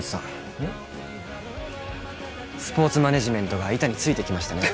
スポーツマネージメントが板についてきましたね